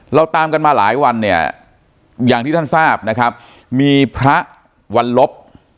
เราตามกันมาหลายวันเนี่ยอย่างที่ท่านทราบนะครับมีพระวันลบ